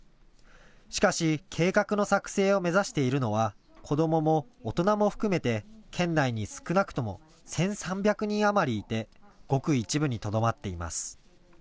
しかし計画の作成を目指しているのは子どもも大人も含めて県内に少なくとも１３００人余りいてごく一部にとどまっています。